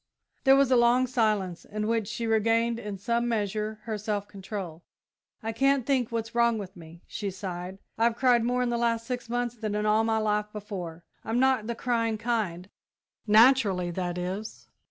There was a long silence, in which she regained, in some measure, her self control. "I can't think what's wrong with me," she sighed. "I've cried more in the last six months than in all my life before. I'm not the crying kind naturally, that is."